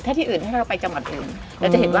แต่ที่อื่นถ้าเราไปจังหวัดอื่น